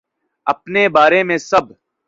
اپنے بارے میں سب